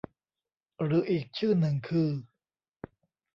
หรืออีกชื่อหนึ่งคือ